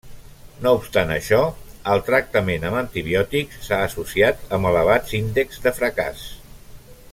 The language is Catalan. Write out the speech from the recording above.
No obstant això, el tractament amb antibiòtics, s'ha associat amb elevats índexs de fracàs.